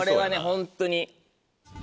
ホントに。